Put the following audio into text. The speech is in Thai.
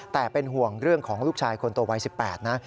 แต่เป็นห่วงเรื่องของลูกชายคนโตวัย๑๘นะ